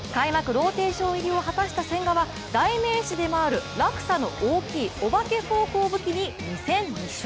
ローテーション入りを果たした千賀は代名詞でもある落差の大きいお化けフォークを武器に２戦２勝。